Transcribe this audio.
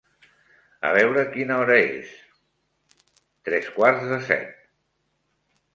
A veure quina hora és... tres quarts de set.